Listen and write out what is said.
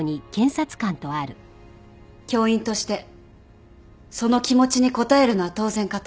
教員としてその気持ちに応えるのは当然かと。